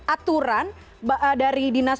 aturan dari dinas